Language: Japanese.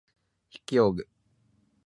筆記用具